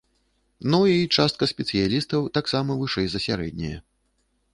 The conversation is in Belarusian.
Ну, і частка спецыялістаў таксама вышэй за сярэдняе.